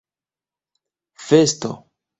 festo